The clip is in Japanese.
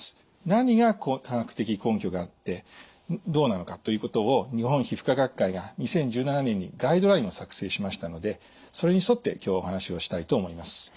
何が科学的根拠があってどうなのかということを日本皮膚科学会が２０１７年にガイドラインを作成しましたのでそれに沿って今日はお話をしたいと思います。